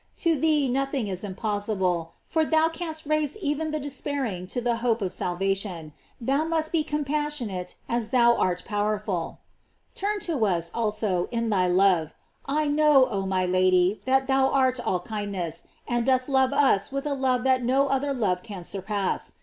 To thee nothing is im possible, for thou canst raise even the despair ing to the hope of salvation. Thou must be compassionate as thou art powerful. 332 GLORIES OP MARY. Turn to us, also, in thy love. I know, oh my Lady, that thou art all kindness, and dost love us with a love that no other love can surpass.